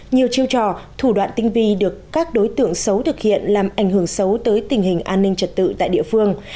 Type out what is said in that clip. nhiều chiêu trò thủ đoạn tinh vi được các đối tượng xấu thực hiện làm ảnh hưởng xấu tới tình hình an ninh trật tự tại địa phương